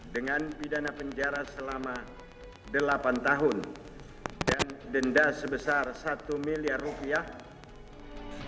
dengan pidana penjara selama delapan tahun dan denda sebesar satu miliar rupiah